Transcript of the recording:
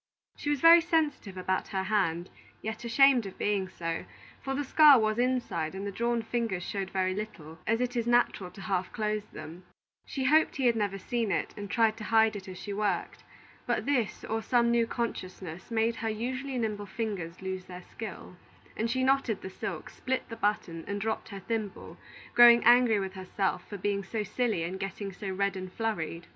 She was very sensitive about her hand, yet ashamed of being so; for the scar was inside and the drawn fingers showed very little, as it is natural to half close them. She hoped he had never seen it, and tried to hide it as she worked. But this, or some new consciousness, made her usually nimble fingers lose their skill, and she knotted the silk, split the button, and dropped her thimble, growing angry with herself for being so silly and getting so red and flurried.